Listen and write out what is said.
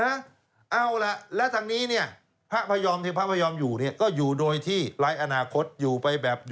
เออเอาให้มันเงินไปเลย